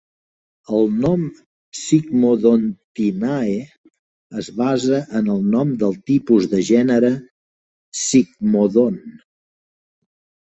El nom "Sigmodontinae" es basa en el nom del tipus de gènere "Sigmodon".